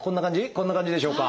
こんな感じでしょうか？